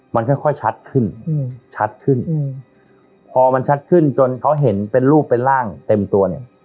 มันค่อยชัดขึ้นชัดขึ้นพอมันชัดขึ้นจนเขาเห็นเป็นรูปเป็นร่างเต็มตัวเนี่ย